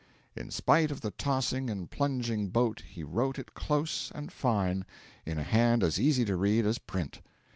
In spite of the tossing and plunging boat he wrote it close and fine, in a hand as easy to read as print.